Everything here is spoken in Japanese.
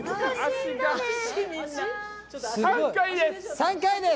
３回です。